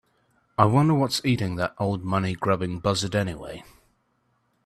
I wonder what's eating that old money grubbing buzzard anyway?